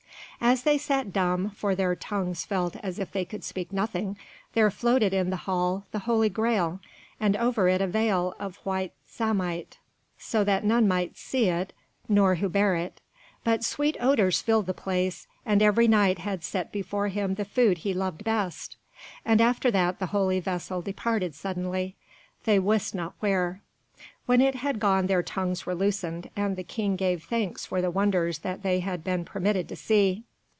As they sat dumb, for their tongues felt as if they could speak nothing, there floated in the hall the Holy Graal, and over it a veil of white samite, so that none might see it nor who bare it. But sweet odours filled the place, and every Knight had set before him the food he loved best; and after that the Holy Vessel departed suddenly, they wist not where. When it had gone their tongues were loosened, and the King gave thanks for the wonders that they had been permitted to see.